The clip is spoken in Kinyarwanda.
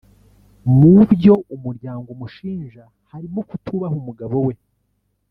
Mu byo umuryango umushinja harimo kutubaha umugabo we